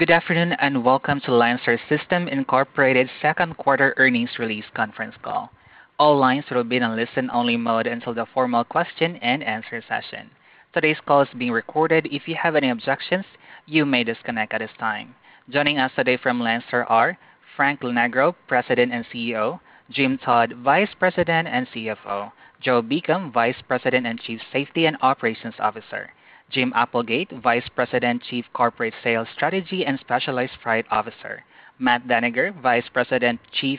Good afternoon and welcome to Landstar System Incorporated's Second Quarter Earnings Release Conference Call. All lines will be in a listen-only mode until the formal question and answer session. Today's call is being recorded. If you have any objections, you may disconnect at this time. Joining us today from Landstar are Frank Lonegro, President and CEO; Jim Todd, Vice President and CFO; Joe Beacom, Vice President and Chief Safety and Operations Officer; Jim Applegate, Vice President, Chief Corporate Sales Strategy and Specialized Freight Officer; Matt Dannegger, Vice President, Chief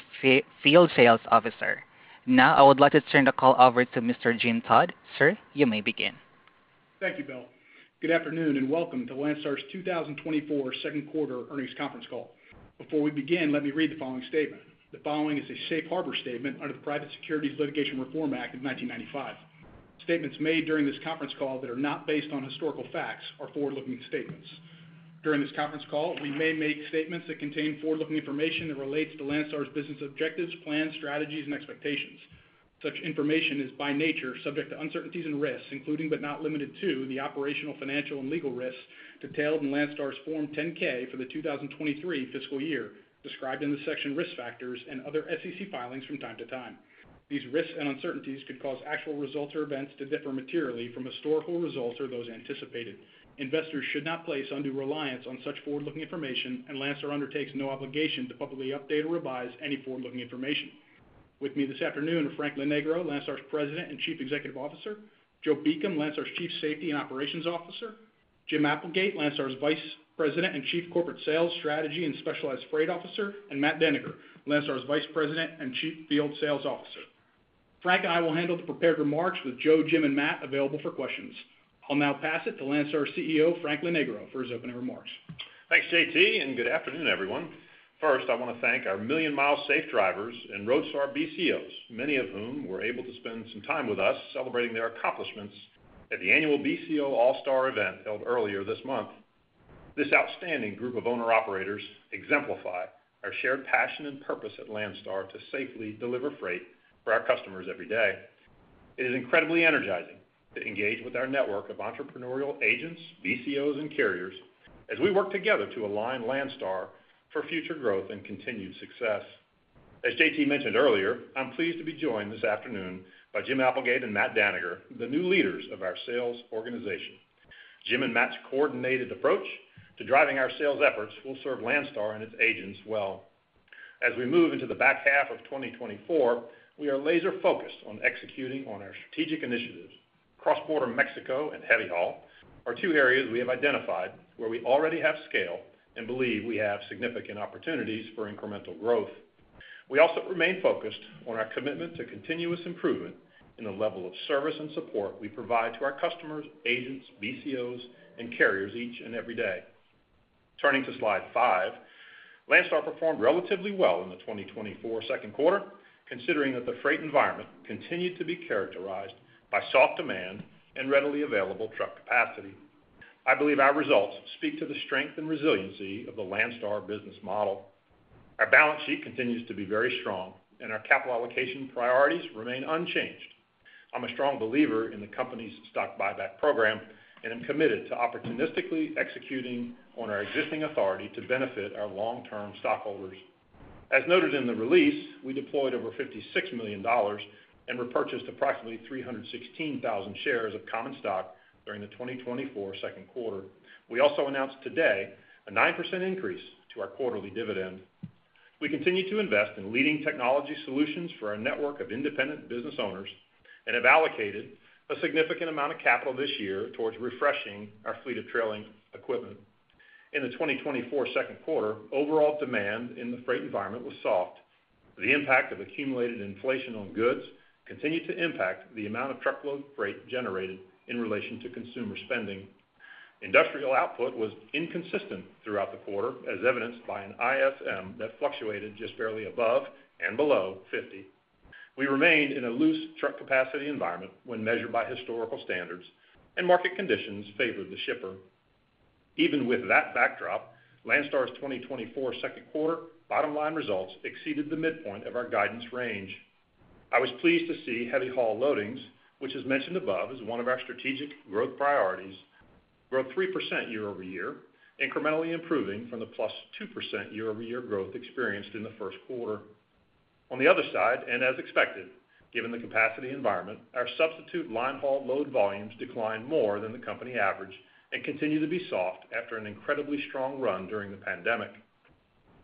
Field Sales Officer. Now, I would like to turn the call over to Mr. Jim Todd. Sir, you may begin. Thank you, Bill. Good afternoon and welcome to Landstar's 2024 second quarter earnings conference call. Before we begin, let me read the following statement. The following is a safe harbor statement under the Private Securities Litigation Reform Act of 1995. Statements made during this conference call that are not based on historical facts are forward-looking statements. During this conference call, we may make statements that contain forward-looking information that relates to Landstar's business objectives, plans, strategies, and expectations. Such information is, by nature, subject to uncertainties and risks, including, but not limited to, the operational, financial, and legal risks detailed in Landstar's Form 10-K for the 2023 fiscal year, described in the section risk factors and other SEC filings from time to time. These risks and uncertainties could cause actual results or events to differ materially from historical results or those anticipated. Investors should not place undue reliance on such forward-looking information, and Landstar undertakes no obligation to publicly update or revise any forward-looking information. With me this afternoon are Frank Lonegro, Landstar's President and Chief Executive Officer, Joe Beacom, Landstar's Chief Safety and Operations Officer, Jim Applegate, Landstar's Vice President and Chief Corporate Sales Strategy and Specialized Freight Officer, and Matt Dannegger, Landstar's Vice President and Chief Field Sales Officer. Frank and I will handle the prepared remarks, with Joe, Jim, and Matt available for questions. I'll now pass it to Landstar's CEO, Frank Lonegro, for his opening remarks. Thanks, JT, and good afternoon, everyone. First, I want to thank our million-mile safe drivers and RoadStar BCOs, many of whom were able to spend some time with us celebrating their accomplishments at the annual BCO All-Star event held earlier this month. This outstanding group of owner-operators exemplify our shared passion and purpose at Landstar to safely deliver freight for our customers every day. It is incredibly energizing to engage with our network of entrepreneurial agents, BCOs, and carriers as we work together to align Landstar for future growth and continued success. As JT mentioned earlier, I'm pleased to be joined this afternoon by Jim Applegate and Matt Dannegger, the new leaders of our sales organization. Jim and Matt's coordinated approach to driving our sales efforts will serve Landstar and its agents well. As we move into the back half of 2024, we are laser-focused on executing on our strategic initiatives. Cross-border Mexico and heavy haul are two areas we have identified where we already have scale and believe we have significant opportunities for incremental growth. We also remain focused on our commitment to continuous improvement in the level of service and support we provide to our customers, agents, BCOs, and carriers each and every day. Turning to slide five, Landstar performed relatively well in the 2024 second quarter, considering that the freight environment continued to be characterized by soft demand and readily available truck capacity. I believe our results speak to the strength and resiliency of the Landstar business model. Our balance sheet continues to be very strong, and our capital allocation priorities remain unchanged. I'm a strong believer in the company's stock buyback program and am committed to opportunistically executing on our existing authority to benefit our long-term stockholders. As noted in the release, we deployed over $56 million and repurchased approximately 316,000 shares of common stock during the 2024 second quarter. We also announced today a 9% increase to our quarterly dividend. We continue to invest in leading technology solutions for our network of independent business owners and have allocated a significant amount of capital this year towards refreshing our fleet of trailer equipment. In the 2024 second quarter, overall demand in the freight environment was soft. The impact of accumulated inflation on goods continued to impact the amount of truckload freight generated in relation to consumer spending. Industrial output was inconsistent throughout the quarter, as evidenced by an ISM that fluctuated just barely above and below 50. We remained in a loose truck capacity environment when measured by historical standards, and market conditions favored the shipper. Even with that backdrop, Landstar's 2024 second quarter bottom-line results exceeded the midpoint of our guidance range. I was pleased to see Heavy Haul loadings, which, as mentioned above, is one of our strategic growth priorities, grow 3% year-over-year, incrementally improving from the +2% year-over-year growth experienced in the first quarter. On the other side, and as expected, given the capacity environment, our Substitute Line Haul load volumes declined more than the company average and continue to be soft after an incredibly strong run during the pandemic.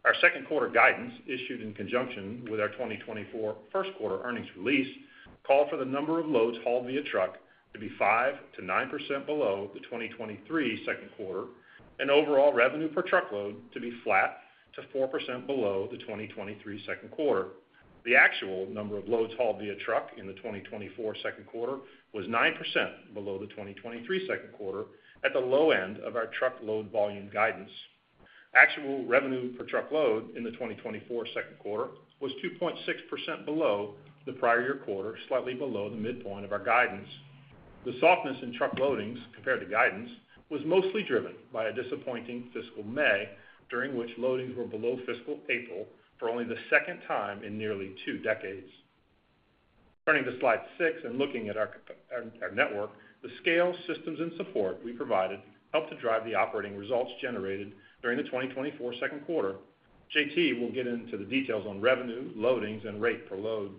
Our second quarter guidance, issued in conjunction with our 2024 first quarter earnings release, called for the number of loads hauled via truck to be 5%-9% below the 2023 second quarter, and overall revenue per truckload to be flat to 4% below the 2023 second quarter. The actual number of loads hauled via truck in the 2024 second quarter was 9% below the 2023 second quarter, at the low end of our truck load volume guidance. Actual revenue per truckload in the 2024 second quarter was 2.6% below the prior year quarter, slightly below the midpoint of our guidance. The softness in truck loadings compared to guidance was mostly driven by a disappointing fiscal May, during which loadings were below fiscal April for only the second time in nearly two decades. Turning to slide six and looking at our network, the scale, systems, and support we provided helped to drive the operating results generated during the 2024 second quarter. JT will get into the details on revenue, loadings, and rate per load.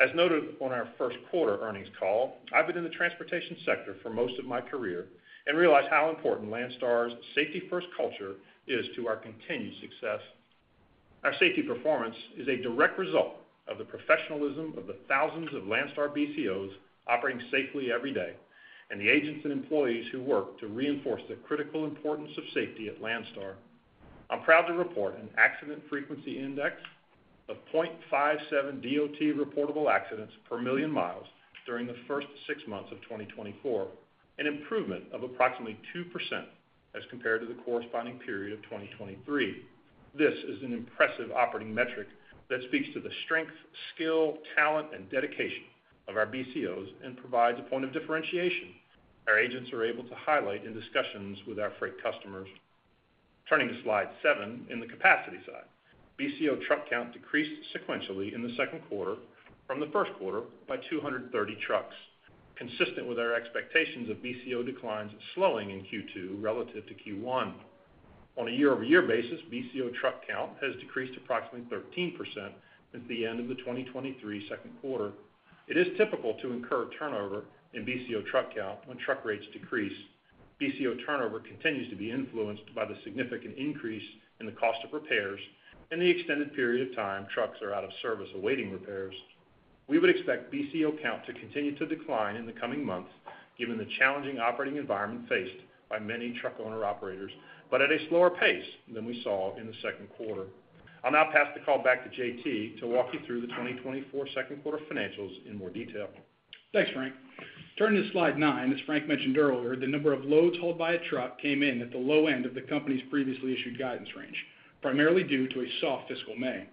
As noted on our first quarter earnings call, I've been in the transportation sector for most of my career and realize how important Landstar's safety-first culture is to our continued success. Our safety performance is a direct result of the professionalism of the thousands of Landstar BCOs operating safely every day and the agents and employees who work to reinforce the critical importance of safety at Landstar. I'm proud to report an accident frequency index of 0.57 DOT reportable accidents per million miles during the first six months of 2024, an improvement of approximately 2% as compared to the corresponding period of 2023. This is an impressive operating metric that speaks to the strength, skill, talent, and dedication of our BCOs and provides a point of differentiation our agents are able to highlight in discussions with our freight customers. Turning to slide seven, in the capacity side, BCO truck count decreased sequentially in the second quarter from the first quarter by 230 trucks, consistent with our expectations of BCO declines slowing in Q2 relative to Q1. On a year-over-year basis, BCO truck count has decreased approximately 13% since the end of the 2023 second quarter. It is typical to incur turnover in BCO truck count when truck rates decrease. BCO turnover continues to be influenced by the significant increase in the cost of repairs and the extended period of time trucks are out of service awaiting repairs. We would expect BCO count to continue to decline in the coming months, given the challenging operating environment faced by many truck owner-operators, but at a slower pace than we saw in the second quarter. I'll now pass the call back to JT to walk you through the 2024 second quarter financials in more detail. Thanks, Frank. Turning to slide nine, as Frank mentioned earlier, the number of loads hauled by a truck came in at the low end of the company's previously issued guidance range, primarily due to a soft fiscal May.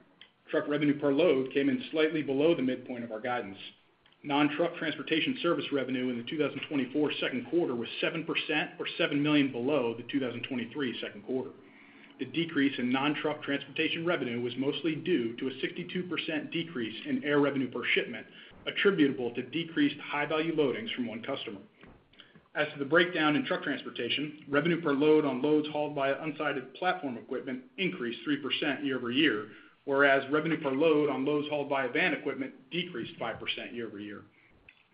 Truck revenue per load came in slightly below the midpoint of our guidance. Non-truck transportation service revenue in the 2024 second quarter was 7% or $7 million below the 2023 second quarter. The decrease in non-truck transportation revenue was mostly due to a 62% decrease in air revenue per shipment, attributable to decreased high-value loadings from one customer. As to the breakdown in truck transportation, revenue per load on loads hauled by unsided platform equipment increased 3% year-over-year, whereas revenue per load on loads hauled by van equipment decreased 5% year-over-year.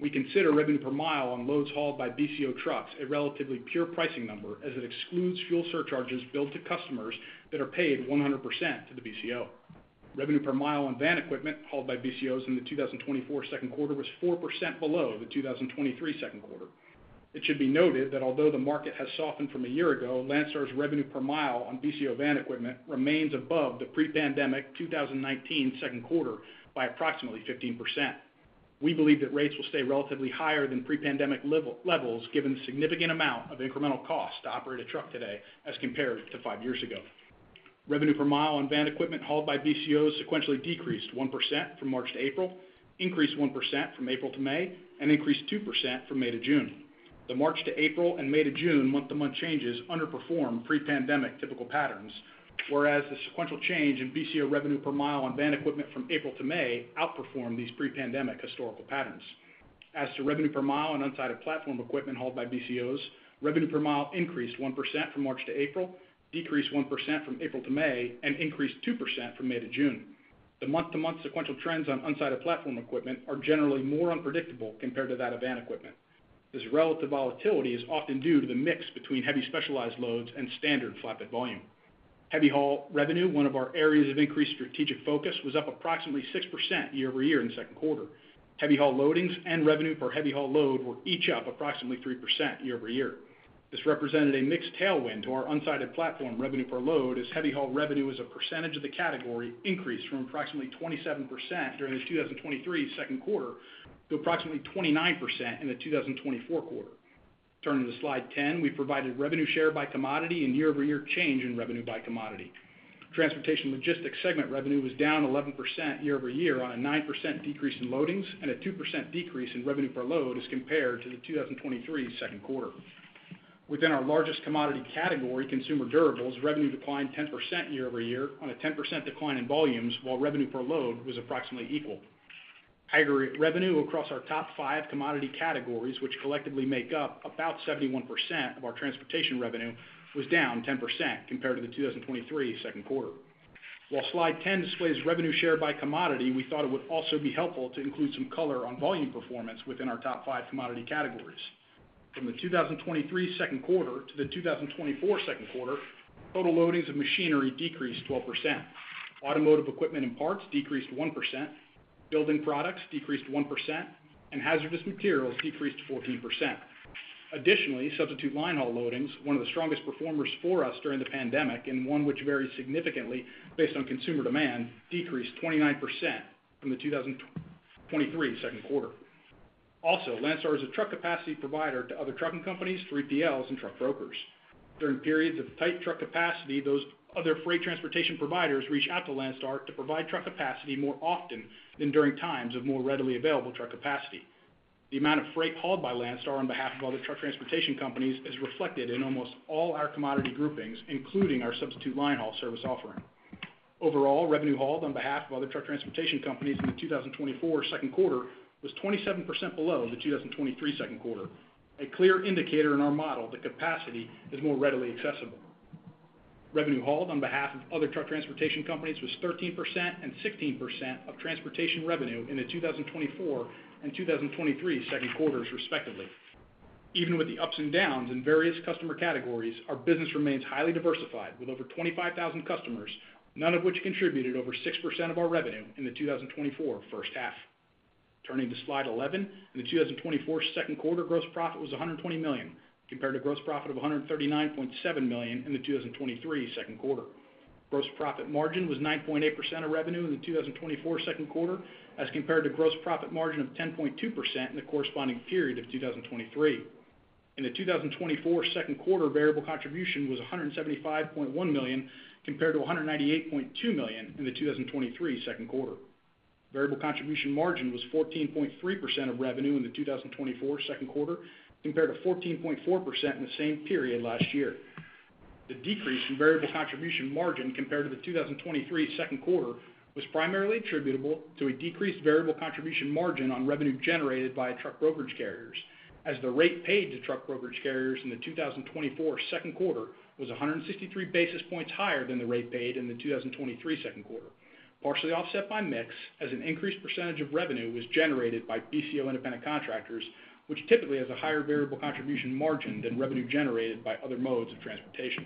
We consider revenue per mile on loads hauled by BCO trucks a relatively pure pricing number, as it excludes fuel surcharges billed to customers that are paid 100% to the BCO. Revenue per mile on van equipment hauled by BCOs in the 2024 second quarter was 4% below the 2023 second quarter. It should be noted that although the market has softened from a year ago, Landstar's revenue per mile on BCO van equipment remains above the pre-pandemic 2019 second quarter by approximately 15%. We believe that rates will stay relatively higher than pre-pandemic levels, given the significant amount of incremental cost to operate a truck today as compared to five years ago. Revenue per mile on van equipment hauled by BCOs sequentially decreased 1% from March to April, increased 1% from April to May, and increased 2% from May to June. The March to April and May to June month-to-month changes underperform pre-pandemic typical patterns, whereas the sequential change in BCO revenue per mile on van equipment from April to May outperformed these pre-pandemic historical patterns. As to revenue per mile on unsided platform equipment hauled by BCOs, revenue per mile increased 1% from March to April, decreased 1% from April to May, and increased 2% from May to June. The month-to-month sequential trends on unsided platform equipment are generally more unpredictable compared to that of van equipment. This relative volatility is often due to the mix between heavy specialized loads and standard flatbed volume. Heavy haul revenue, one of our areas of increased strategic focus, was up approximately 6% year-over-year in the second quarter. Heavy haul loadings and revenue per heavy haul load were each up approximately 3% year-over-year. This represented a mixed tailwind to our unsided platform revenue per load, as heavy haul revenue as a percentage of the category increased from approximately 27% during the 2023 second quarter to approximately 29% in the 2024 quarter. Turning to slide 10, we provided revenue share by commodity and year-over-year change in revenue by commodity. Transportation logistics segment revenue was down 11% year over year on a 9% decrease in loadings and a 2% decrease in revenue per load as compared to the 2023 second quarter. Within our largest commodity category, consumer durables, revenue declined 10% year over year on a 10% decline in volumes, while revenue per load was approximately equal. Aggregate revenue across our top five commodity categories, which collectively make up about 71% of our transportation revenue, was down 10% compared to the 2023 second quarter. While slide 10 displays revenue share by commodity, we thought it would also be helpful to include some color on volume performance within our top five commodity categories. From the 2023 second quarter to the 2024 second quarter, total loadings of machinery decreased 12%. Automotive equipment and parts decreased 1%, building products decreased 1%, and hazardous materials decreased 14%. Additionally, substitute line haul loadings, one of the strongest performers for us during the pandemic and one which varies significantly based on consumer demand, decreased 29% from the 2023 second quarter. Also, Landstar is a truck capacity provider to other trucking companies, 3PLs, and truck brokers. During periods of tight truck capacity, those other freight transportation providers reach out to Landstar to provide truck capacity more often than during times of more readily available truck capacity. The amount of freight hauled by Landstar on behalf of other truck transportation companies is reflected in almost all our commodity groupings, including our Substitute Line Haul service offering. Overall, revenue hauled on behalf of other truck transportation companies in the 2024 second quarter was 27% below the 2023 second quarter, a clear indicator in our model that capacity is more readily accessible. Revenue hauled on behalf of other truck transportation companies was 13% and 16% of transportation revenue in the 2024 and 2023 second quarters, respectively. Even with the ups and downs in various customer categories, our business remains highly diversified, with over 25,000 customers, none of which contributed over 6% of our revenue in the 2024 first half. Turning to slide 11, in the 2024 second quarter, gross profit was $120 million compared to gross profit of $139.7 million in the 2023 second quarter. Gross profit margin was 9.8% of revenue in the 2024 second quarter as compared to gross profit margin of 10.2% in the corresponding period of 2023. In the 2024 second quarter, variable contribution was $175.1 million compared to $198.2 million in the 2023 second quarter. Variable contribution margin was 14.3% of revenue in the 2024 second quarter compared to 14.4% in the same period last year. The decrease in variable contribution margin compared to the 2023 second quarter was primarily attributable to a decreased variable contribution margin on revenue generated by truck brokerage carriers, as the rate paid to truck brokerage carriers in the 2024 second quarter was 163 basis points higher than the rate paid in the 2023 second quarter. Partially offset by mix as an increased percentage of revenue was generated by BCO independent contractors, which typically has a higher variable contribution margin than revenue generated by other modes of transportation.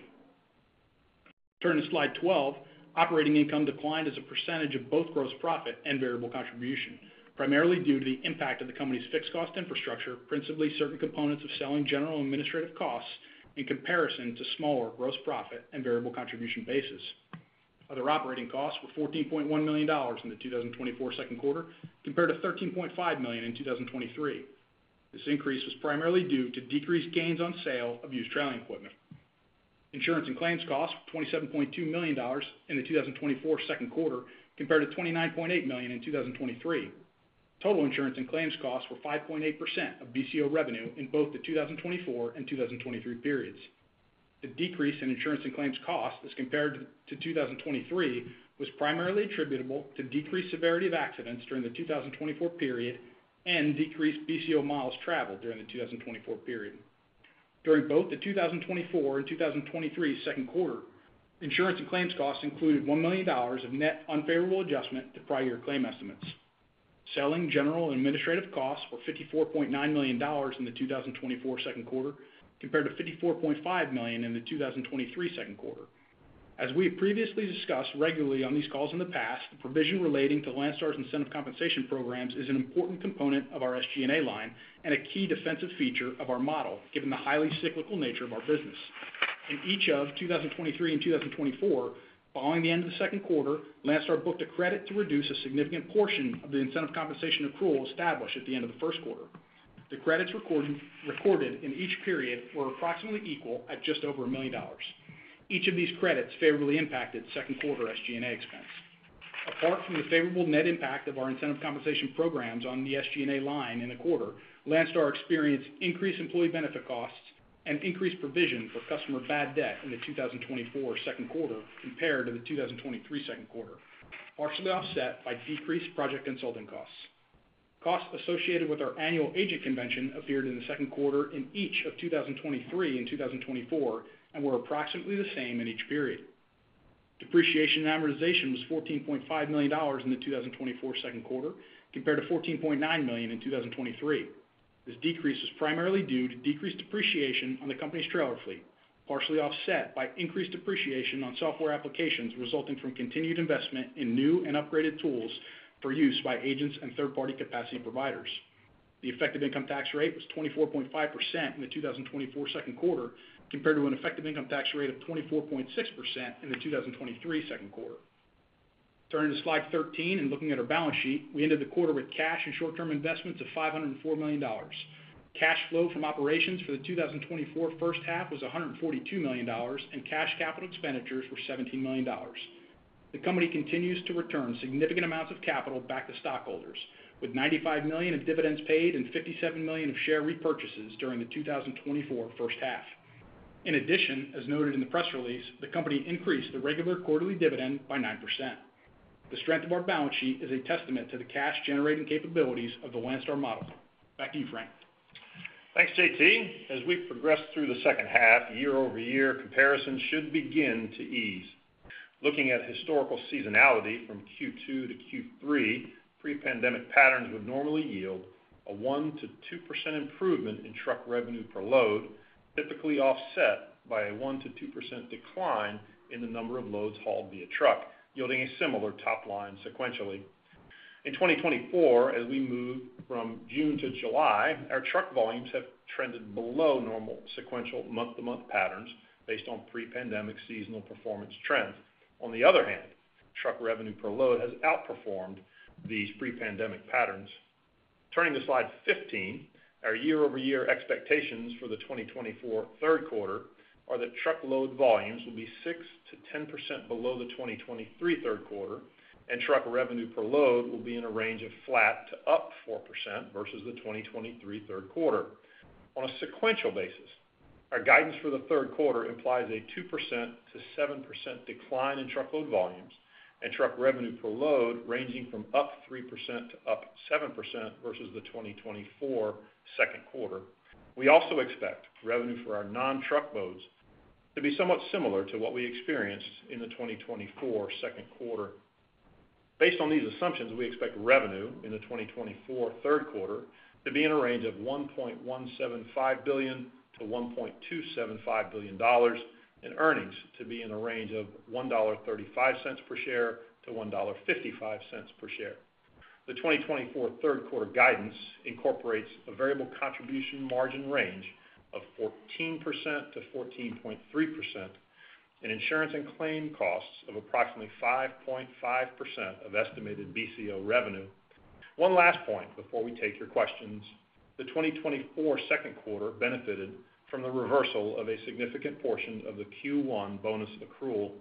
Turning to slide 12, operating income declined as a percentage of both gross profit and variable contribution, primarily due to the impact of the company's fixed cost infrastructure, principally certain components of selling general administrative costs in comparison to smaller gross profit and variable contribution bases. Other operating costs were $14.1 million in the 2024 second quarter compared to $13.5 million in 2023. This increase was primarily due to decreased gains on sale of used trailer equipment. Insurance and claims costs were $27.2 million in the 2024 second quarter compared to $29.8 million in 2023. Total insurance and claims costs were 5.8% of BCO revenue in both the 2024 and 2023 periods. The decrease in insurance and claims costs as compared to 2023 was primarily attributable to decreased severity of accidents during the 2024 period and decreased BCO miles traveled during the 2024 period. During both the 2024 and 2023 second quarter, insurance and claims costs included $1 million of net unfavorable adjustment to prior year claim estimates. Selling, general, and administrative costs were $54.9 million in the 2024 second quarter compared to $54.5 million in the 2023 second quarter. As we have previously discussed regularly on these calls in the past, the provision relating to Landstar's incentive compensation programs is an important component of our SG&A line and a key defensive feature of our model, given the highly cyclical nature of our business. In each of 2023 and 2024, following the end of the second quarter, Landstar booked a credit to reduce a significant portion of the incentive compensation accrual established at the end of the first quarter. The credits recorded in each period were approximately equal at just over $1 million. Each of these credits favorably impacted second quarter SG&A expense. Apart from the favorable net impact of our incentive compensation programs on the SG&A line in the quarter, Landstar experienced increased employee benefit costs and increased provision for customer bad debt in the 2024 second quarter compared to the 2023 second quarter, partially offset by decreased project consulting costs. Costs associated with our annual agent convention appeared in the second quarter in each of 2023 and 2024 and were approximately the same in each period. Depreciation and amortization was $14.5 million in the 2024 second quarter compared to $14.9 million in 2023. This decrease was primarily due to decreased depreciation on the company's trailer fleet, partially offset by increased depreciation on software applications resulting from continued investment in new and upgraded tools for use by agents and third-party capacity providers. The effective income tax rate was 24.5% in the 2024 second quarter compared to an effective income tax rate of 24.6% in the 2023 second quarter. Turning to slide 13 and looking at our balance sheet, we ended the quarter with cash and short-term investments of $504 million. Cash flow from operations for the 2024 first half was $142 million, and cash capital expenditures were $17 million. The company continues to return significant amounts of capital back to stockholders, with $95 million of dividends paid and $57 million of share repurchases during the 2024 first half. In addition, as noted in the press release, the company increased the regular quarterly dividend by 9%. The strength of our balance sheet is a testament to the cash-generating capabilities of the Landstar model. Back to you, Frank. Thanks, JT. As we progress through the second half, year-over-year comparisons should begin to ease. Looking at historical seasonality from Q2 to Q3, pre-pandemic patterns would normally yield a 1%-2% improvement in truck revenue per load, typically offset by a 1%-2% decline in the number of loads hauled via truck, yielding a similar top line sequentially. In 2024, as we move from June to July, our truck volumes have trended below normal sequential month-to-month patterns based on pre-pandemic seasonal performance trends. On the other hand, truck revenue per load has outperformed these pre-pandemic patterns. Turning to slide 15, our year-over-year expectations for the 2024 third quarter are that truck load volumes will be 6%-10% below the 2023 third quarter, and truck revenue per load will be in a range of flat to up 4% versus the 2023 third quarter. On a sequential basis, our guidance for the third quarter implies a 2%-7% decline in truck load volumes and truck revenue per load ranging from up 3% to up 7% versus the 2024 second quarter. We also expect revenue for our non-truck loads to be somewhat similar to what we experienced in the 2024 second quarter. Based on these assumptions, we expect revenue in the 2024 third quarter to be in a range of $1.175 billion-$1.275 billion and earnings to be in a range of $1.35-$1.55 per share. The 2024 third quarter guidance incorporates a variable contribution margin range of 14%-14.3% and insurance and claim costs of approximately 5.5% of estimated BCO revenue. One last point before we take your questions. The 2024 second quarter benefited from the reversal of a significant portion of the Q1 bonus accrual.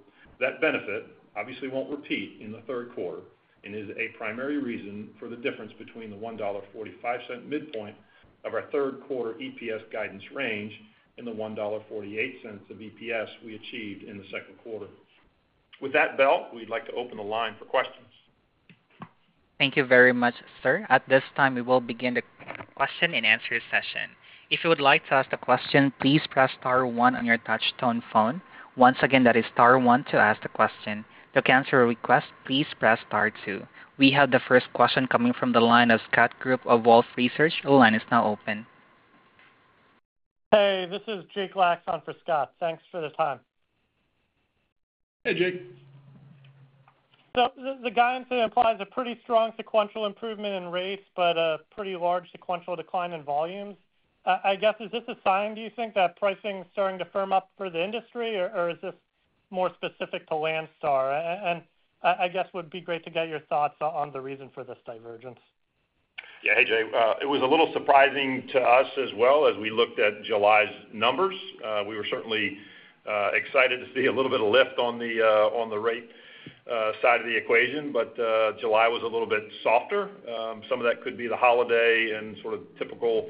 That benefit obviously won't repeat in the third quarter and is a primary reason for the difference between the $1.45 midpoint of our third quarter EPS guidance range and the $1.48 of EPS we achieved in the second quarter. With that, Bill, we'd like to open the line for questions. Thank you very much, sir. At this time, we will begin the question and answer session. If you would like to ask a question, please press star one on your touchtone phone. Once again, that is star one to ask the question. To cancel a request, please press star two. We have the first question coming from the line of Scott Group of Wolfe Research. The line is now open. Hey, this is Jake Lacks for Scott. Thanks for the time. Hey, Jake. The guidance implies a pretty strong sequential improvement in rates, but a pretty large sequential decline in volumes. I guess, is this a sign, do you think, that pricing is starting to firm up for the industry, or is this more specific to Landstar? I guess it would be great to get your thoughts on the reason for this divergence. Yeah, hey, Jake. It was a little surprising to us as well as we looked at July's numbers. We were certainly excited to see a little bit of lift on the rate side of the equation, but July was a little bit softer. Some of that could be the holiday and sort of typical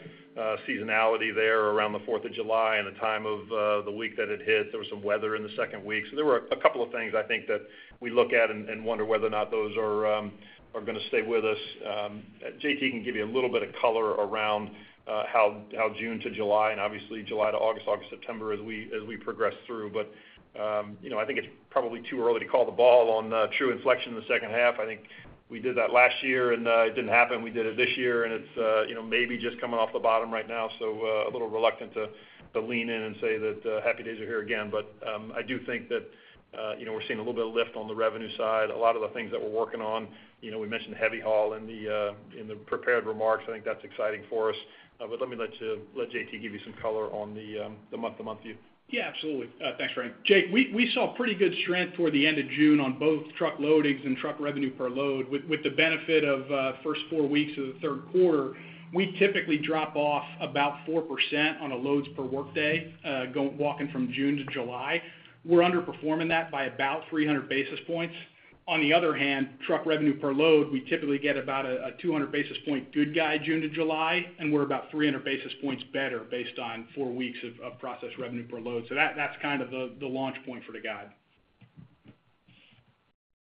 seasonality there around the 4th of July and the time of the week that it hits. There was some weather in the second week. So there were a couple of things, I think, that we look at and wonder whether or not those are going to stay with us. JT can give you a little bit of color around how June to July and obviously July to August, August, September as we progress through. But I think it's probably too early to call the ball on true inflection in the second half. I think we did that last year, and it didn't happen. We did it this year, and it's maybe just coming off the bottom right now. So a little reluctant to lean in and say that happy days are here again. But I do think that we're seeing a little bit of lift on the revenue side. A lot of the things that we're working on, we mentioned heavy haul in the prepared remarks. I think that's exciting for us. But let me let JT give you some color on the month-to-month view. Yeah, absolutely. Thanks, Frank. Jake, we saw pretty good strength toward the end of June on both truck loadings and truck revenue per load. With the benefit of first four weeks of the third quarter, we typically drop off about 4% on a loads per workday going from June to July. We're underperforming that by about 300 basis points. On the other hand, truck revenue per load, we typically get about a 200 basis point gain from June to July, and we're about 300 basis points better based on four weeks of truck revenue per load. So that's kind of the launch point for the guide.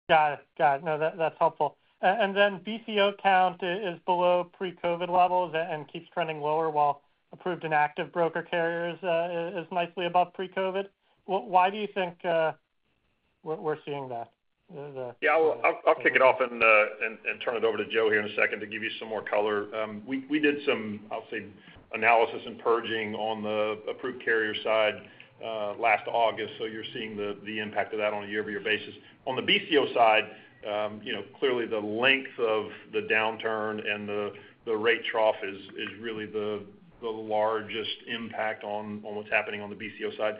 Got it. Got it. No, that's helpful. And then BCO count is below pre-COVID levels and keeps trending lower, while approved and active broker carriers is nicely above pre-COVID. Why do you think we're seeing that? Yeah, I'll kick it off and turn it over to Joe here in a second to give you some more color. We did some, I'll say, analysis and purging on the approved carrier side last August, so you're seeing the impact of that on a year-over-year basis. On the BCO side, clearly the length of the downturn and the rate trough is really the largest impact on what's happening on the BCO side.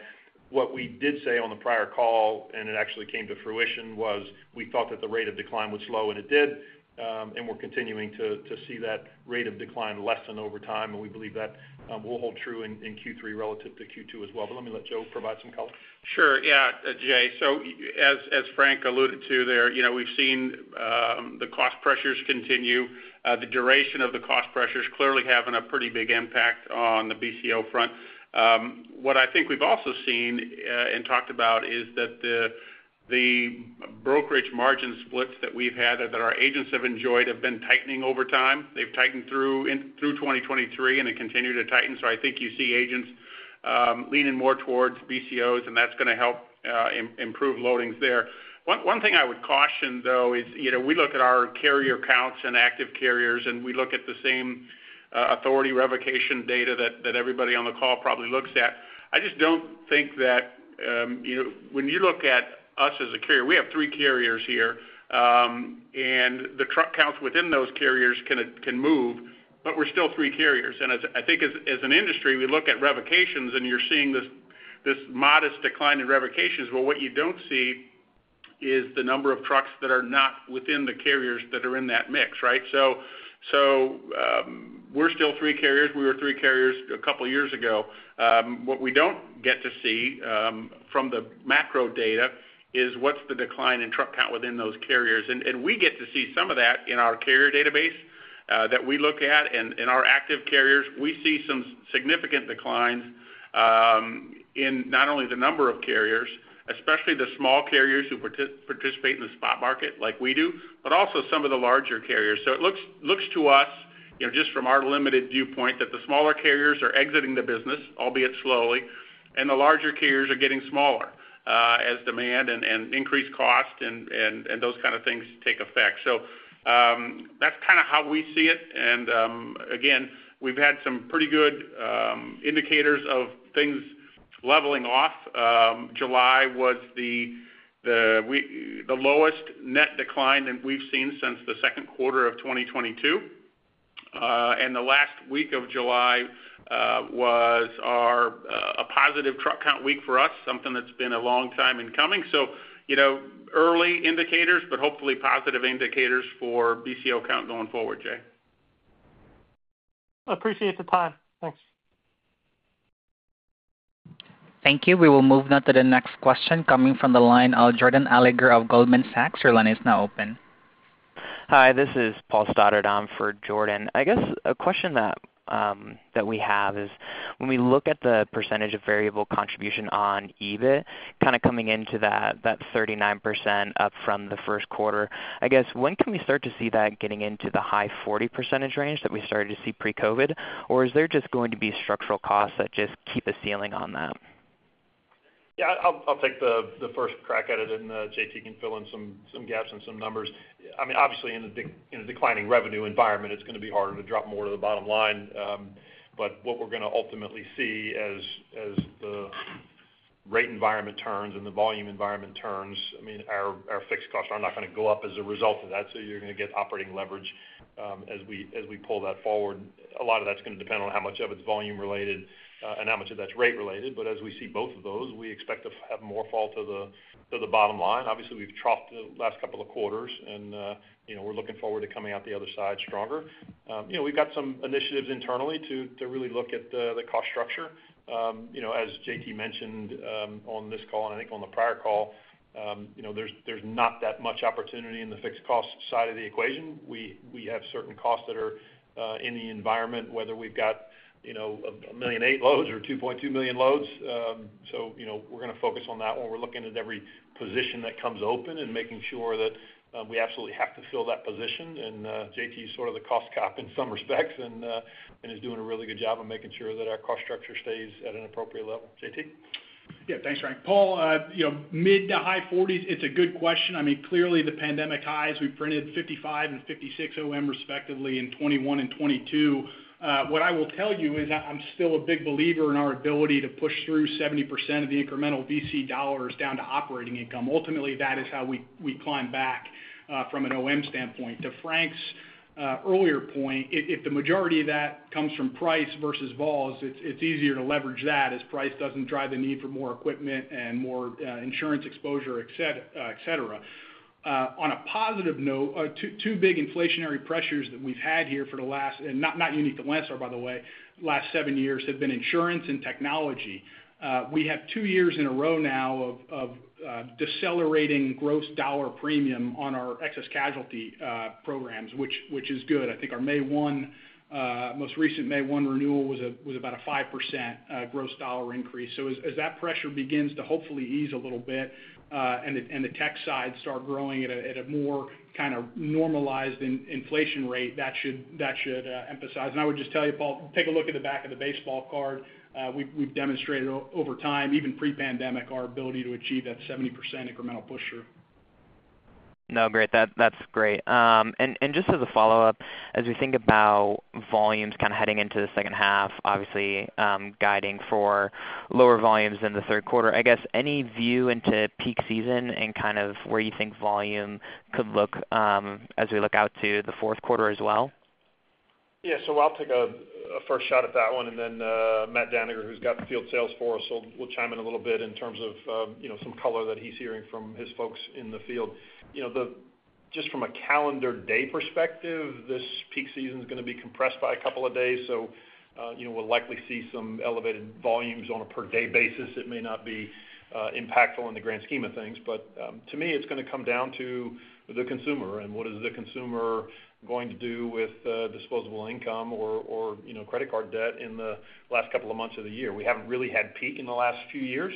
What we did say on the prior call, and it actually came to fruition, was we thought that the rate of decline would slow, and it did. And we're continuing to see that rate of decline lessen over time, and we believe that will hold true in Q3 relative to Q2 as well. But let me let Joe provide some color. Sure. Yeah, Jay. So as Frank alluded to there, we've seen the cost pressures continue. The duration of the cost pressures clearly having a pretty big impact on the BCO front. What I think we've also seen and talked about is that the brokerage margin splits that we've had or that our agents have enjoyed have been tightening over time. They've tightened through 2023, and they continue to tighten. So I think you see agents leaning more towards BCOs, and that's going to help improve loadings there. One thing I would caution, though, is we look at our carrier counts and active carriers, and we look at the same authority revocation data that everybody on the call probably looks at. I just don't think that when you look at us as a carrier, we have three carriers here, and the truck counts within those carriers can move, but we're still three carriers. I think as an industry, we look at revocations, and you're seeing this modest decline in revocations. What you don't see is the number of trucks that are not within the carriers that are in that mix, right? We're still three carriers. We were three carriers a couple of years ago. What we don't get to see from the macro data is what's the decline in truck count within those carriers. We get to see some of that in our carrier database that we look at. In our active carriers, we see some significant declines in not only the number of carriers, especially the small carriers who participate in the spot market like we do, but also some of the larger carriers. So it looks to us, just from our limited viewpoint, that the smaller carriers are exiting the business, albeit slowly, and the larger carriers are getting smaller as demand and increased cost and those kinds of things take effect. So that's kind of how we see it. And again, we've had some pretty good indicators of things leveling off. July was the lowest net decline that we've seen since the second quarter of 2022. And the last week of July was a positive truck count week for us, something that's been a long time in coming. So early indicators, but hopefully positive indicators for BCO count going forward, Jay. Appreciate the time. Thanks. Thank you. We will move now to the next question coming from the line. Jordan Alliger of Goldman Sachs. Your line is now open. Hi, this is Paul Stoddard on for Jordan. I guess a question that we have is when we look at the percentage of variable contribution on EBIT, kind of coming into that 39% up from the first quarter, I guess, when can we start to see that getting into the high 40% range that we started to see pre-COVID? Or is there just going to be structural costs that just keep us ceiling on that? Yeah, I'll take the first crack at it, and JT can fill in some gaps and some numbers. I mean, obviously, in a declining revenue environment, it's going to be harder to drop more to the bottom line. But what we're going to ultimately see as the rate environment turns and the volume environment turns, I mean, our fixed costs are not going to go up as a result of that. So you're going to get operating leverage as we pull that forward. A lot of that's going to depend on how much of it's volume-related and how much of that's rate-related. But as we see both of those, we expect to have more fall to the bottom line. Obviously, we've troughed the last couple of quarters, and we're looking forward to coming out the other side stronger. We've got some initiatives internally to really look at the cost structure. As JT mentioned on this call and I think on the prior call, there's not that much opportunity in the fixed cost side of the equation. We have certain costs that are in the environment, whether we've got 1.8 million loads or 2.2 million loads. So we're going to focus on that when we're looking at every position that comes open and making sure that we absolutely have to fill that position. And JT is sort of the cost cop in some respects and is doing a really good job of making sure that our cost structure stays at an appropriate level. JT? Yeah, thanks, Frank. Paul, mid- to high-40s, it's a good question. I mean, clearly, the pandemic highs, we printed 55 and 56 OM respectively in 2021 and 2022. What I will tell you is I'm still a big believer in our ability to push through 70% of the incremental VC dollars down to operating income. Ultimately, that is how we climb back from an OM standpoint. To Frank's earlier point, if the majority of that comes from price versus vols, it's easier to leverage that as price doesn't drive the need for more equipment and more insurance exposure, etc. On a positive note, two big inflationary pressures that we've had here for the last, and not unique to Landstar, by the way, last seven years have been insurance and technology. We have 2 years in a row now of decelerating gross dollar premium on our excess casualty programs, which is good. I think our most recent May 1 renewal was about a 5% gross dollar increase. So as that pressure begins to hopefully ease a little bit and the tech side start growing at a more kind of normalized inflation rate, that should emphasize. And I would just tell you, Paul, take a look at the back of the baseball card. We've demonstrated over time, even pre-pandemic, our ability to achieve that 70% incremental push through. No, great. That's great. And just as a follow-up, as we think about volumes kind of heading into the second half, obviously guiding for lower volumes in the third quarter, I guess, any view into peak season and kind of where you think volume could look as we look out to the fourth quarter as well? Yeah, so I'll take a first shot at that one and then Matt Dannegger, who's got the field sales for us, will chime in a little bit in terms of some color that he's hearing from his folks in the field. Just from a calendar day perspective, this peak season is going to be compressed by a couple of days. So we'll likely see some elevated volumes on a per-day basis. It may not be impactful in the grand scheme of things. But to me, it's going to come down to the consumer and what is the consumer going to do with disposable income or credit card debt in the last couple of months of the year. We haven't really had peak in the last few years.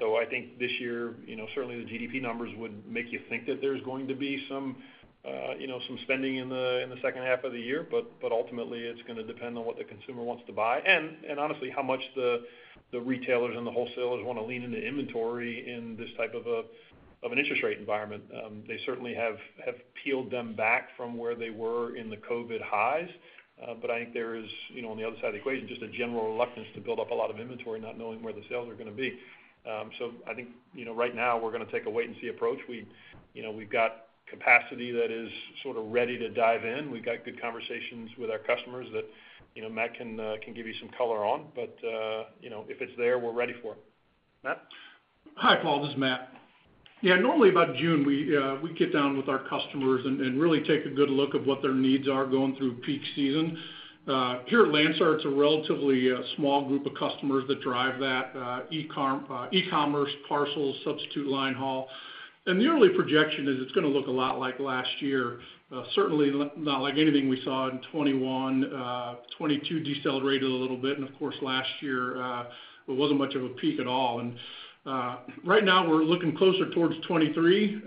So I think this year, certainly the GDP numbers would make you think that there's going to be some spending in the second half of the year. But ultimately, it's going to depend on what the consumer wants to buy and honestly how much the retailers and the wholesalers want to lean into inventory in this type of an interest rate environment. They certainly have peeled them back from where they were in the COVID highs. But I think there is, on the other side of the equation, just a general reluctance to build up a lot of inventory not knowing where the sales are going to be. So I think right now we're going to take a wait-and-see approach. We've got capacity that is sort of ready to dive in. We've got good conversations with our customers that Matt can give you some color on. But if it's there, we're ready for it. Hi, Paul. This is Matt. Yeah, normally about June, we get down with our customers and really take a good look at what their needs are going through peak season. Here at Landstar, it's a relatively small group of customers that drive that e-commerce, parcels, Substitute Line Haul. The early projection is it's going to look a lot like last year. Certainly not like anything we saw in 2021. 2022 decelerated a little bit. Of course, last year, it wasn't much of a peak at all. Right now we're looking closer towards 2023.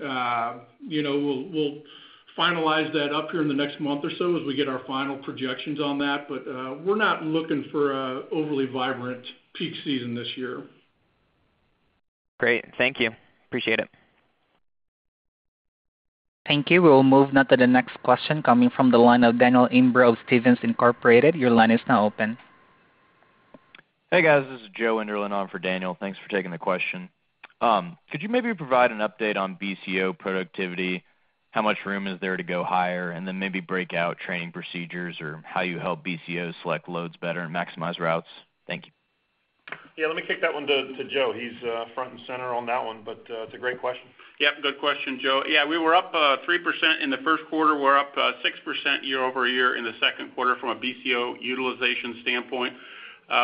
We'll finalize that up here in the next month or so as we get our final projections on that. But we're not looking for an overly vibrant peak season this year. Great. Thank you. Appreciate it. Thank you. We will move now to the next question coming from the line of Daniel Imbro of Stephens Inc. Your line is now open. Hey, guys. This is Joe Enderlin on for Daniel. Thanks for taking the question. Could you maybe provide an update on BCO productivity, how much room is there to go higher, and then maybe break out training procedures or how you help BCO select loads better and maximize routes? Thank you. Yeah, let me kick that one to Joe. He's front and center on that one, but it's a great question. Yeah, good question, Joe. Yeah, we were up 3% in the first quarter. We're up 6% year-over-year in the second quarter from a BCO utilization standpoint,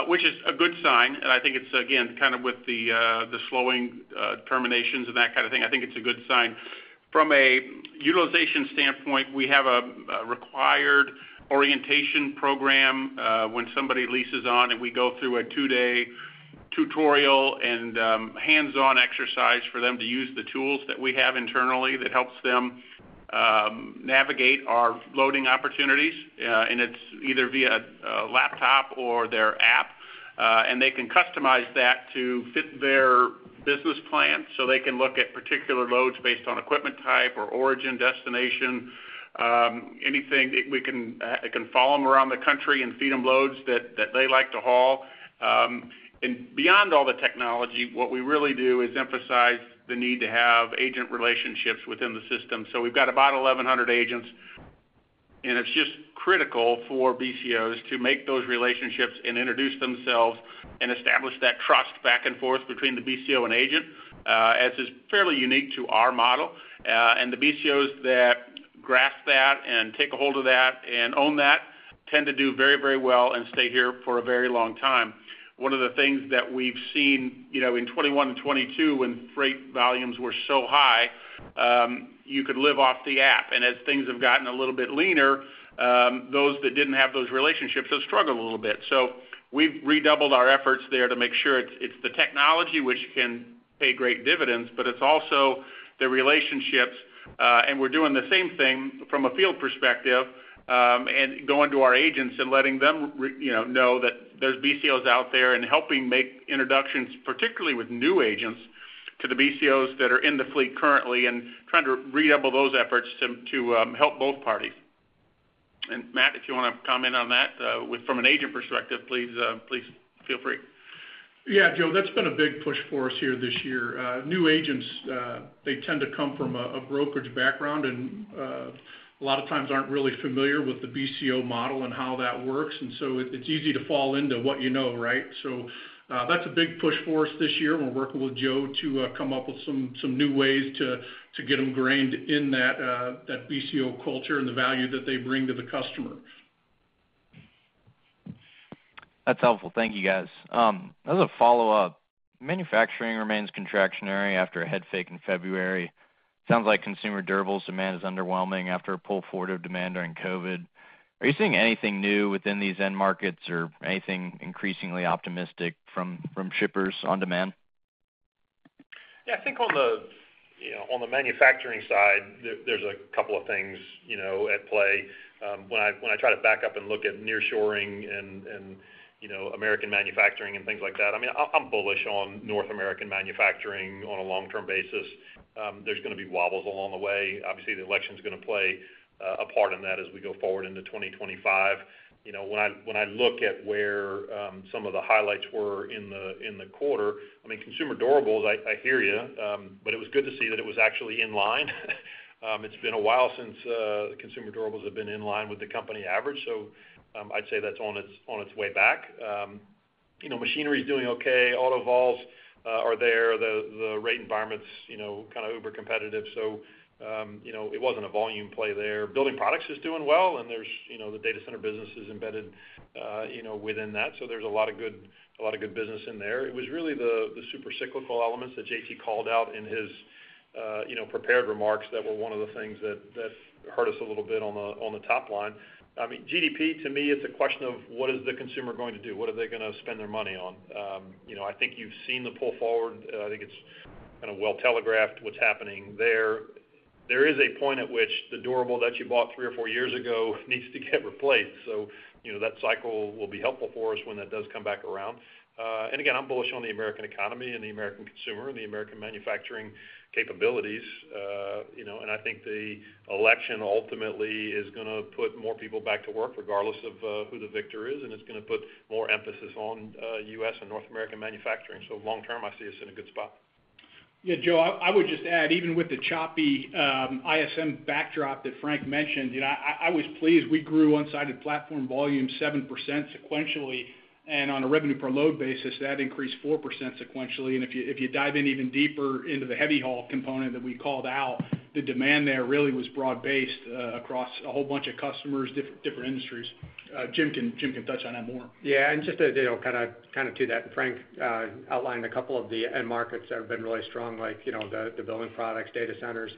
which is a good sign. And I think it's, again, kind of with the slowing terminations and that kind of thing. I think it's a good sign. From a utilization standpoint, we have a required orientation program when somebody leases on, and we go through a 2-day tutorial and hands-on exercise for them to use the tools that we have internally that helps them navigate our loading opportunities. And it's either via a laptop or their app, and they can customize that to fit their business plan. So they can look at particular loads based on equipment type or origin, destination, anything. We can follow them around the country and feed them loads that they like to haul. Beyond all the technology, what we really do is emphasize the need to have agent relationships within the system. So we've got about 1,100 agents, and it's just critical for BCOs to make those relationships and introduce themselves and establish that trust back and forth between the BCO and agent, as is fairly unique to our model. And the BCOs that grasp that and take a hold of that and own that tend to do very, very well and stay here for a very long time. One of the things that we've seen in 2021 and 2022 when freight volumes were so high, you could live off the app. And as things have gotten a little bit leaner, those that didn't have those relationships have struggled a little bit. So we've redoubled our efforts there to make sure it's the technology which can pay great dividends, but it's also the relationships. We're doing the same thing from a field perspective and going to our agents and letting them know that there's BCOs out there and helping make introductions, particularly with new agents, to the BCOs that are in the fleet currently and trying to redouble those efforts to help both parties. Matt, if you want to comment on that from an agent perspective, please feel free. Yeah, Joe, that's been a big push for us here this year. New agents, they tend to come from a brokerage background and a lot of times aren't really familiar with the BCO model and how that works. And so it's easy to fall into what you know, right? So that's a big push for us this year. We're working with Joe to come up with some new ways to get them ingrained in that BCO culture and the value that they bring to the customer. That's helpful. Thank you, guys. As a follow-up, manufacturing remains contractionary after a head fake in February. Sounds like consumer durables demand is underwhelming after a pull forward of demand during COVID. Are you seeing anything new within these end markets or anything increasingly optimistic from shippers on demand? Yeah, I think on the manufacturing side, there's a couple of things at play. When I try to back up and look at nearshoring and American manufacturing and things like that, I mean, I'm bullish on North American manufacturing on a long-term basis. There's going to be wobbles along the way. Obviously, the election is going to play a part in that as we go forward into 2025. When I look at where some of the highlights were in the quarter, I mean, consumer durables, I hear you, but it was good to see that it was actually in line. It's been a while since consumer durables have been in line with the company average. So I'd say that's on its way back. Machinery is doing okay. Auto vols are there. The rate environment's kind of over-competitive. So it wasn't a volume play there. Building products is doing well, and the data center business is embedded within that. So there's a lot of good business in there. It was really the super cyclical elements that JT called out in his prepared remarks that were one of the things that hurt us a little bit on the top line. I mean, GDP, to me, it's a question of what is the consumer going to do? What are they going to spend their money on? I think you've seen the pull forward. I think it's kind of well telegraphed what's happening there. There is a point at which the durable that you bought three or four years ago needs to get replaced. So that cycle will be helpful for us when that does come back around. And again, I'm bullish on the American economy and the American consumer and the American manufacturing capabilities. I think the election ultimately is going to put more people back to work regardless of who the victor is. It's going to put more emphasis on U.S. and North American manufacturing. Long term, I see us in a good spot. Yeah, Joe, I would just add, even with the choppy ISM backdrop that Frank mentioned, I was pleased. We grew unsided platform volume 7% sequentially. And on a revenue per load basis, that increased 4% sequentially. And if you dive in even deeper into the heavy haul component that we called out, the demand there really was broad-based across a whole bunch of customers, different industries. Jim can touch on that more. Yeah. And just to kind of to that, Frank outlined a couple of the end markets that have been really strong, like the building products, data centers.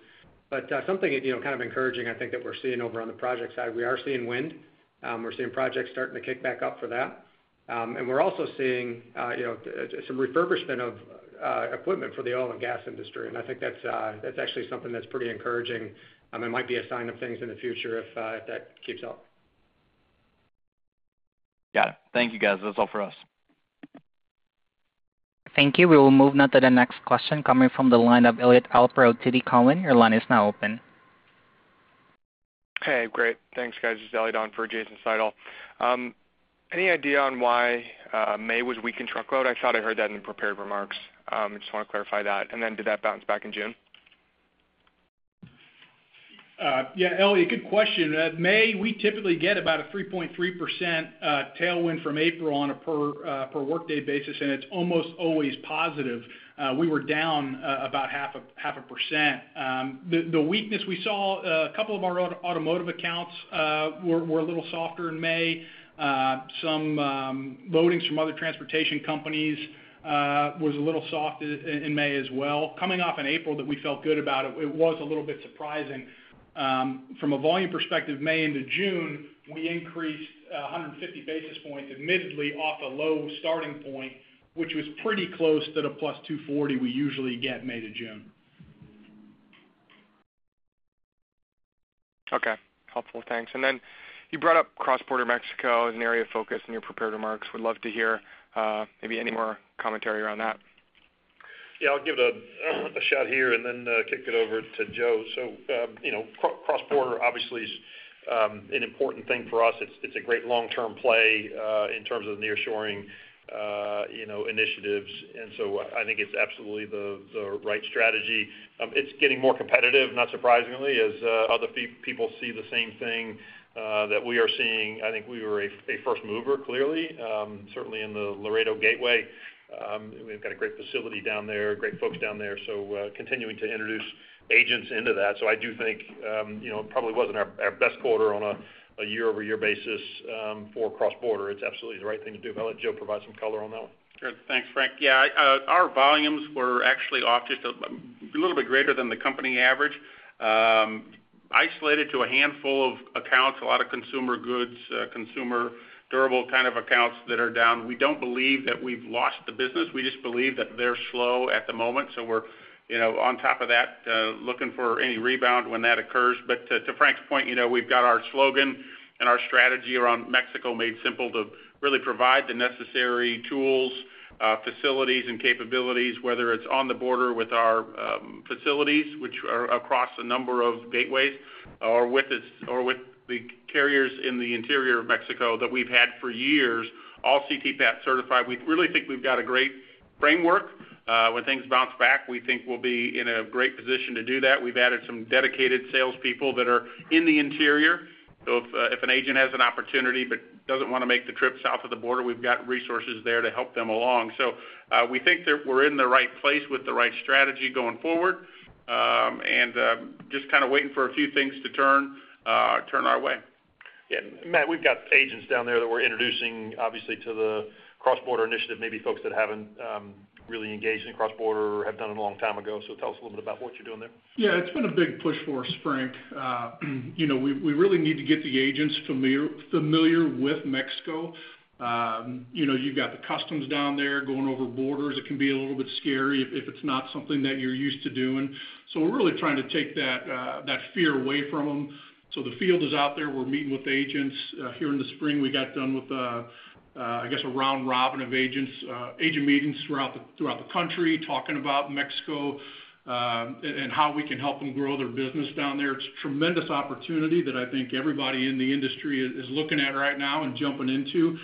But something kind of encouraging, I think, that we're seeing over on the project side, we are seeing wind. We're seeing projects starting to kick back up for that. And we're also seeing some refurbishment of equipment for the oil and gas industry. And I think that's actually something that's pretty encouraging. It might be a sign of things in the future if that keeps up. Got it. Thank you, guys. That's all for us. Thank you. We will move now to the next question coming from the line of Elliot Alper of TD Cowen. Your line is now open. Hey, great. Thanks, guys. This is Elliot on for Jason Seidl. Any idea on why May was weak in truckload? I thought I heard that in the prepared remarks. I just want to clarify that. And then did that bounce back in June? Yeah, Elliot, good question. May, we typically get about a 3.3% tailwind from April on a per-workday basis, and it's almost always positive. We were down about 0.5%. The weakness we saw, a couple of our automotive accounts were a little softer in May. Some loadings from other transportation companies were a little soft in May as well. Coming off in April that we felt good about it, it was a little bit surprising. From a volume perspective, May into June, we increased 150 basis points admittedly off a low starting point, which was pretty close to the +240 we usually get May to June. Okay. Helpful. Thanks. And then you brought up Cross-Border Mexico as an area of focus in your prepared remarks. Would love to hear maybe any more commentary around that. Yeah, I'll give it a shot here and then kick it over to Joe. So cross-border, obviously, is an important thing for us. It's a great long-term play in terms of the nearshoring initiatives. And so I think it's absolutely the right strategy. It's getting more competitive, not surprisingly, as other people see the same thing that we are seeing. I think we were a first mover, clearly, certainly in the Laredo Gateway. We've got a great facility down there, great folks down there. So continuing to introduce agents into that. So I do think it probably wasn't our best quarter on a year-over-year basis for cross-border. It's absolutely the right thing to do. I'll let Joe provide some color on that one. Good. Thanks, Frank. Yeah, our volumes were actually off just a little bit greater than the company average. Isolated to a handful of accounts, a lot of consumer goods, consumer durable kind of accounts that are down. We don't believe that we've lost the business. We just believe that they're slow at the moment. So we're on top of that, looking for any rebound when that occurs. But to Frank's point, we've got our slogan and our strategy around Mexico Made Simple to really provide the necessary tools, facilities, and capabilities, whether it's on the border with our facilities, which are across a number of gateways, or with the carriers in the interior of Mexico that we've had for years, all CTPAT certified. We really think we've got a great framework. When things bounce back, we think we'll be in a great position to do that. We've added some dedicated salespeople that are in the interior. So if an agent has an opportunity but doesn't want to make the trip south of the border, we've got resources there to help them along. So we think that we're in the right place with the right strategy going forward and just kind of waiting for a few things to turn our way. Yeah. Matt, we've got agents down there that we're introducing, obviously, to the cross-border initiative, maybe folks that haven't really engaged in cross-border or have done it a long time ago. So tell us a little bit about what you're doing there. Yeah, it's been a big push for us, Frank. We really need to get the agents familiar with Mexico. You've got the customs down there going over borders. It can be a little bit scary if it's not something that you're used to doing. So we're really trying to take that fear away from them. So the field is out there. We're meeting with agents. Here in the spring, we got done with, I guess, a round robin of agents, agent meetings throughout the country, talking about Mexico and how we can help them grow their business down there. It's a tremendous opportunity that I think everybody in the industry is looking at right now and jumping into.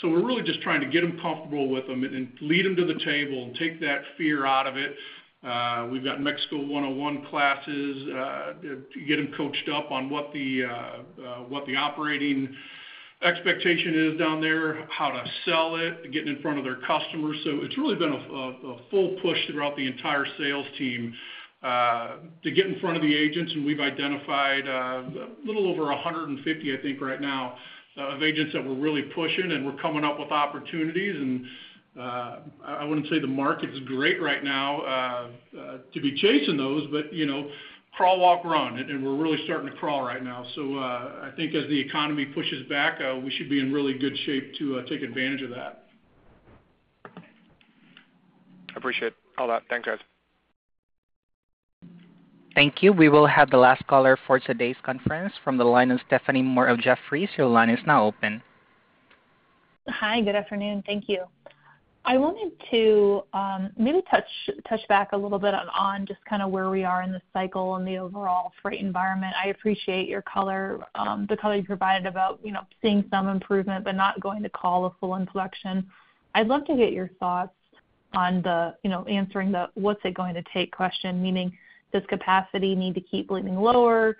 So we're really just trying to get them comfortable with them and lead them to the table and take that fear out of it. We've got Mexico 101 classes to get them coached up on what the operating expectation is down there, how to sell it, getting in front of their customers. So it's really been a full push throughout the entire sales team to get in front of the agents. And we've identified a little over 150, I think, right now of agents that we're really pushing. And we're coming up with opportunities. And I wouldn't say the market's great right now to be chasing those, but crawl, walk, run. And we're really starting to crawl right now. So I think as the economy pushes back, we should be in really good shape to take advantage of that. I appreciate all that. Thanks, guys. Thank you. We will have the last caller for today's conference from the line of Stephanie Moore of Jefferies. Your line is now open. Hi, good afternoon. Thank you. I wanted to maybe touch back a little bit on just kind of where we are in the cycle and the overall freight environment. I appreciate the color you provided about seeing some improvement, but not going to call a full inflection. I'd love to get your thoughts on answering the, "What's it going to take?" question, meaning does capacity need to keep leaning lower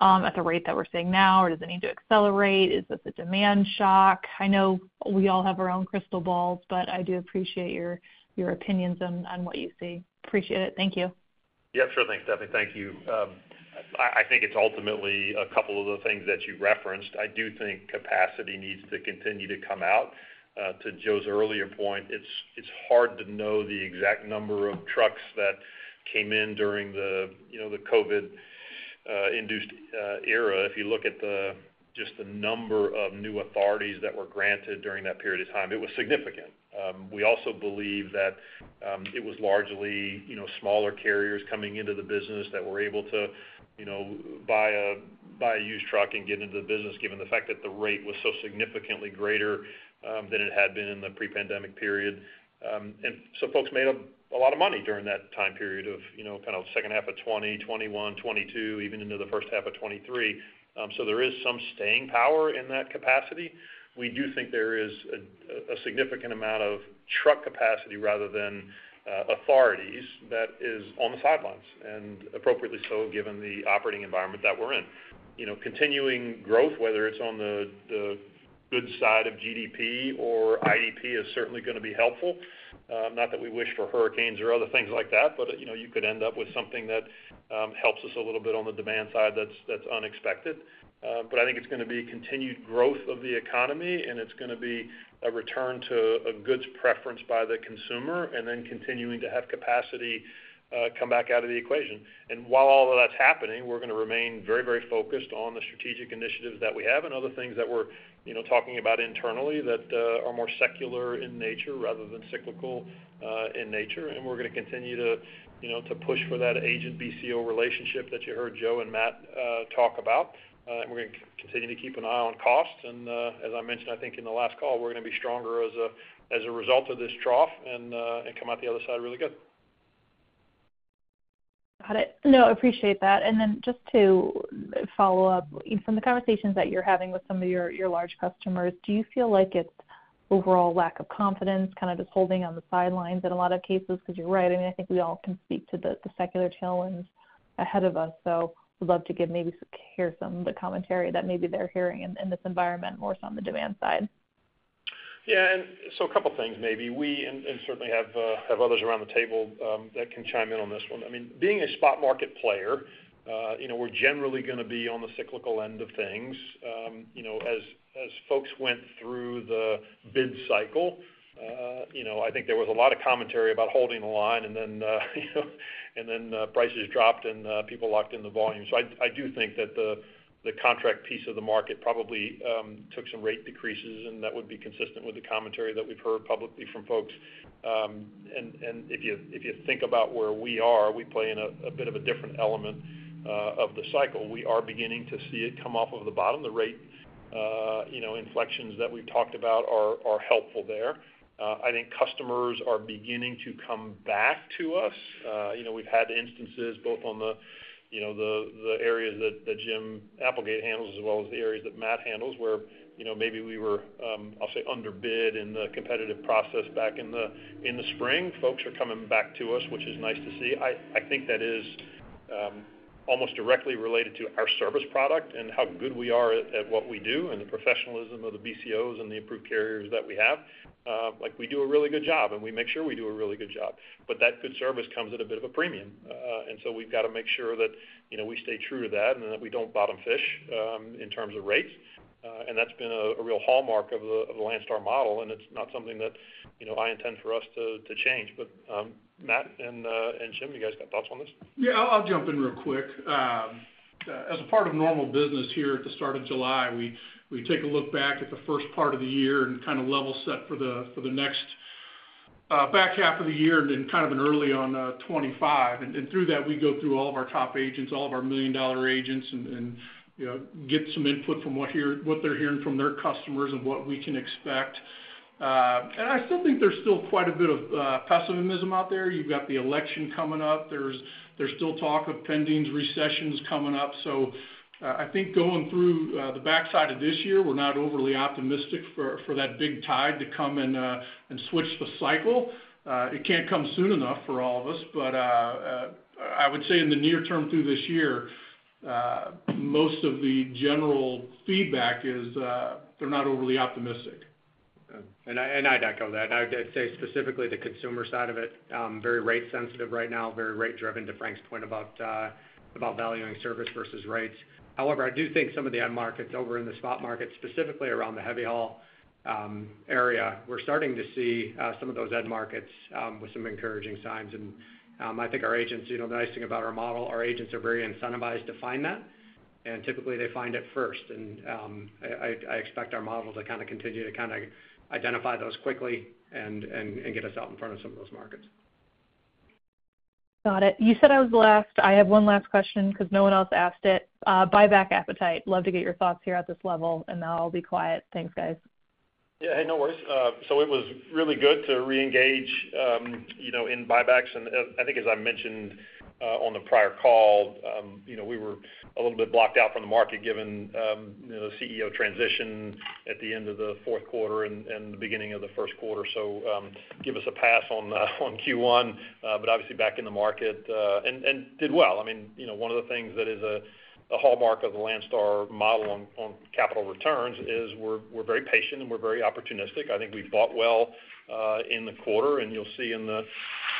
at the rate that we're seeing now, or does it need to accelerate? Is this a demand shock? I know we all have our own crystal balls, but I do appreciate your opinions on what you see. Appreciate it. Thank you. Yeah, sure. Thanks, Stephanie. Thank you. I think it's ultimately a couple of the things that you referenced. I do think capacity needs to continue to come out. To Joe's earlier point, it's hard to know the exact number of trucks that came in during the COVID-induced era. If you look at just the number of new authorities that were granted during that period of time, it was significant. We also believe that it was largely smaller carriers coming into the business that were able to buy a used truck and get into the business, given the fact that the rate was so significantly greater than it had been in the pre-pandemic period. And so folks made up a lot of money during that time period of kind of second half of 2020, 2021, 2022, even into the first half of 2023. So there is some staying power in that capacity. We do think there is a significant amount of truck capacity rather than authorities that is on the sidelines, and appropriately so given the operating environment that we're in. Continuing growth, whether it's on the goods side of GDP or [IEP], is certainly going to be helpful. Not that we wish for hurricanes or other things like that, but you could end up with something that helps us a little bit on the demand side that's unexpected. But I think it's going to be continued growth of the economy, and it's going to be a return to a goods preference by the consumer, and then continuing to have capacity come back out of the equation. And while all of that's happening, we're going to remain very, very focused on the strategic initiatives that we have and other things that we're talking about internally that are more secular in nature rather than cyclical in nature. And we're going to continue to push for that agent-BCO relationship that you heard Joe and Matt talk about. And we're going to continue to keep an eye on costs. And as I mentioned, I think in the last call, we're going to be stronger as a result of this trough and come out the other side really good. Got it. No, appreciate that. And then just to follow up, from the conversations that you're having with some of your large customers, do you feel like it's overall lack of confidence kind of just holding on the sidelines in a lot of cases? Because you're right. I mean, I think we all can speak to the secular tailwinds ahead of us. So we'd love to hear some of the commentary that maybe they're hearing in this environment more so on the demand side. Yeah. And so a couple of things maybe. We certainly have others around the table that can chime in on this one. I mean, being a spot market player, we're generally going to be on the cyclical end of things. As folks went through the bid cycle, I think there was a lot of commentary about holding the line, and then prices dropped and people locked in the volume. So I do think that the contract piece of the market probably took some rate decreases, and that would be consistent with the commentary that we've heard publicly from folks. And if you think about where we are, we play in a bit of a different element of the cycle. We are beginning to see it come off of the bottom. The rate inflections that we've talked about are helpful there. I think customers are beginning to come back to us. We've had instances both on the areas that Jim Applegate handles as well as the areas that Matt handles, where maybe we were, I'll say, underbid in the competitive process back in the spring. Folks are coming back to us, which is nice to see. I think that is almost directly related to our service product and how good we are at what we do and the professionalism of the BCOs and the approved carriers that we have. We do a really good job, and we make sure we do a really good job. But that good service comes at a bit of a premium. And so we've got to make sure that we stay true to that and that we don't bottom fish in terms of rates. And that's been a real hallmark of the Landstar model, and it's not something that I intend for us to change. But Matt and Jim, you guys got thoughts on this? Yeah, I'll jump in real quick. As a part of normal business here at the start of July, we take a look back at the first part of the year and kind of level set for the next back half of the year and then kind of an early on 2025. And through that, we go through all of our top agents, all of our million-dollar agents, and get some input from what they're hearing from their customers and what we can expect. And I still think there's still quite a bit of pessimism out there. You've got the election coming up. There's still talk of pending recessions coming up. So I think going through the backside of this year, we're not overly optimistic for that big tide to come and switch the cycle. It can't come soon enough for all of us. I would say in the near term through this year, most of the general feedback is they're not overly optimistic. And I'd echo that. I'd say specifically the consumer side of it, very rate sensitive right now, very rate-driven, to Frank's point about valuing service versus rates. However, I do think some of the end markets over in the spot market, specifically around the heavy haul area, we're starting to see some of those end markets with some encouraging signs. And I think our agents, the nice thing about our model, our agents are very incentivized to find that. And typically, they find it first. And I expect our model to kind of continue to kind of identify those quickly and get us out in front of some of those markets. Got it. You said I was last. I have one last question because no one else asked it. Buyback appetite. Love to get your thoughts here at this level, and now I'll be quiet. Thanks, guys. Yeah, hey, no worries. So it was really good to reengage in buybacks. And I think, as I mentioned on the prior call, we were a little bit blocked out from the market given the CEO transition at the end of the fourth quarter and the beginning of the first quarter. So give us a pass on Q1, but obviously back in the market and did well. I mean, one of the things that is a hallmark of the Landstar model on capital returns is we're very patient and we're very opportunistic. I think we bought well in the quarter, and you'll see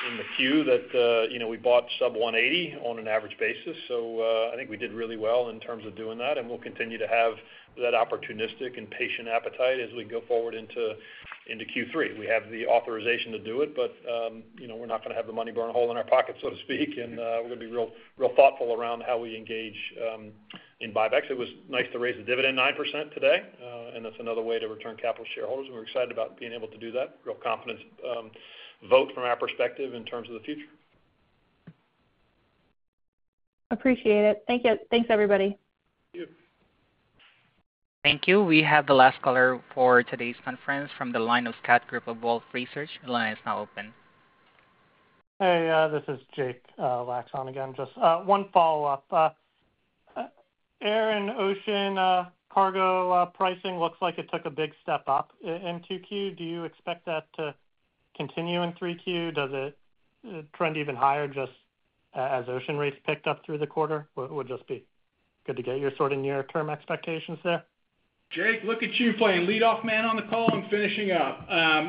in the Q that we bought sub-$180 on an average basis. So I think we did really well in terms of doing that, and we'll continue to have that opportunistic and patient appetite as we go forward into Q3. We have the authorization to do it, but we're not going to have the money burn a hole in our pocket, so to speak. We're going to be real thoughtful around how we engage in buybacks. It was nice to raise the dividend 9% today, and that's another way to return capital shareholders. We're excited about being able to do that, real confidence vote from our perspective in terms of the future. Appreciate it. Thank you. Thanks, everybody. Thank you. Thank you. We have the last caller for today's conference from the line of Scott Group of Wolfe Research. The line is now open. Hey, this is Jake Lacks again. Just one follow-up. Air and ocean cargo pricing looks like it took a big step up in 2Q. Do you expect that to continue in 3Q? Does it trend even higher just as ocean rates picked up through the quarter? What would just be good to get your sort of near-term expectations there? Jake, look at you playing lead-off man on the call and finishing up.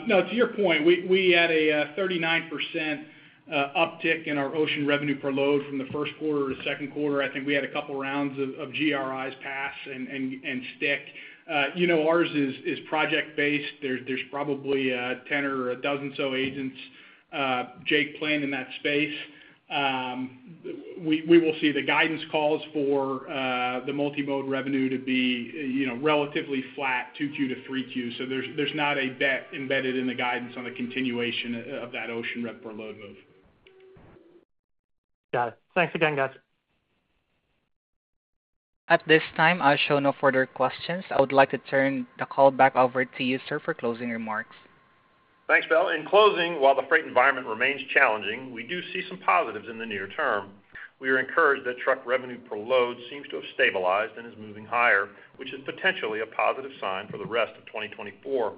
No, to your point, we had a 39% uptick in our ocean revenue per load from the first quarter to second quarter. I think we had a couple of rounds of GRIs pass and stick. Ours is project-based. There's probably 10 or a dozen or so agents, Jake, playing in that space. We will see the guidance calls for the multimode revenue to be relatively flat 2Q to 3Q. So there's not a bet embedded in the guidance on the continuation of that ocean rev per load move. Got it. Thanks again, guys. At this time, I show no further questions. I would like to turn the call back over to you, sir, for closing remarks. Thanks, Bill. In closing, while the freight environment remains challenging, we do see some positives in the near term. We are encouraged that truck revenue per load seems to have stabilized and is moving higher, which is potentially a positive sign for the rest of 2024.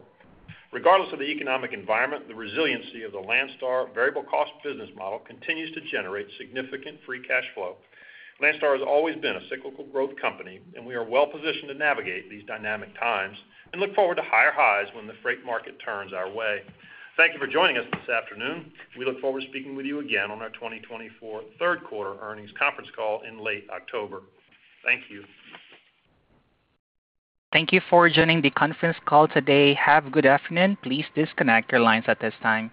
Regardless of the economic environment, the resiliency of the Landstar variable cost business model continues to generate significant free cash flow. Landstar has always been a cyclical growth company, and we are well-positioned to navigate these dynamic times and look forward to higher highs when the freight market turns our way. Thank you for joining us this afternoon. We look forward to speaking with you again on our 2024 third quarter earnings conference call in late October. Thank you. Thank you for joining the conference call today. Have a good afternoon. Please disconnect your lines at this time.